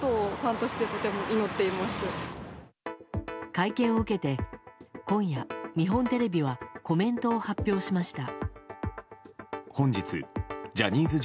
会見を受けて今夜、日本テレビはコメントを発表しました。